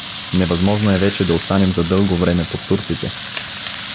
Невъзможно е вече да останем за дълго време под турците.